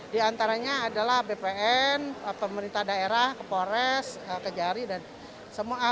di antaranya adalah bpn pemerintah daerah ke polres ke jari dan semua